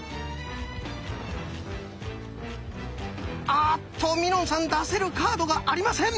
あっとみのんさん出せるカードがありません。